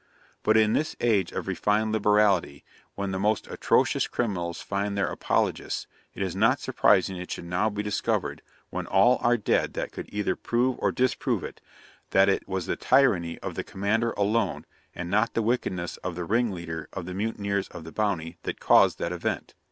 But in this age of refined liberality, when the most atrocious criminals find their apologists, it is not surprising it should now be discovered, when all are dead that could either prove or disprove it, that it was the tyranny of the commander alone, and not the wickedness of the ringleader of the mutineers of the Bounty, that caused that event.